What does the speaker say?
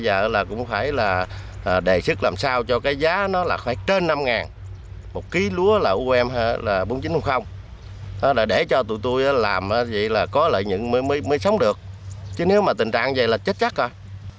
tôi cũng phải là đề sức làm sao cho cái giá nó là khoảng trên năm một ký lúa là bốn mươi chín để cho tụi tôi làm vậy là có lợi nhuận mới sống được chứ nếu mà tình trạng vậy là chết chắc rồi